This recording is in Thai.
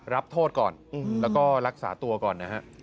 รับโทษก่อนแล้วก็รักษาตัวก่อนนะฮะ